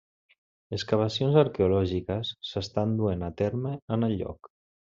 Excavacions arqueològiques s'estan duent a terme en el lloc.